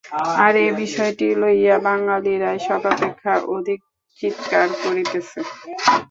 আর এ বিষয়টি লইয়া বাঙালীরাই সর্বাপেক্ষা অধিক চীৎকার করিতেছে।